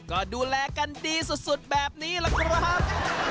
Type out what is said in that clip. ก็ดูแลกันดีสุดแบบนี้ล่ะครับ